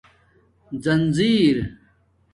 زنجیر